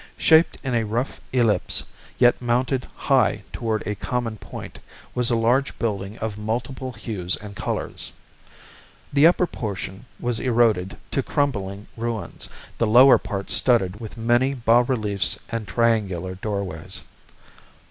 Shaped in a rough ellipse, yet mounted high toward a common point, was a large building of multiple hues and colors. The upper portion was eroded to crumbling ruins, the lower part studded with many bas reliefs and triangular doorways.